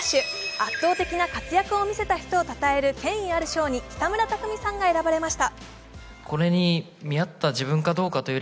圧倒的な活躍を見せた人をたたえる権威ある賞に北村匠海さんが選ばれました。